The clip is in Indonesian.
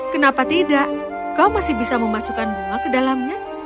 kenapa tidak kau masih bisa memasukkan bunga ke dalamnya